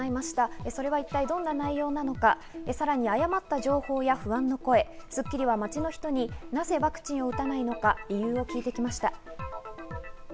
それは一体どんな内容なのか、さらに誤った情報や不安の声、『スッキリ』は街の人になぜワクチンを打たないのか理由を聞いてきました。